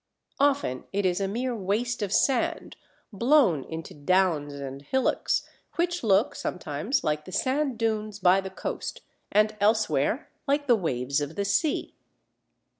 Often it is a mere waste of sand blown into downs and hillocks which look sometimes like the sand dunes by the coast, and elsewhere like the waves of the sea.